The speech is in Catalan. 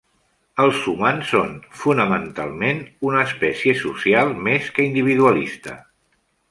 Els humans són, fonamentalment, una espècie social més que individualista.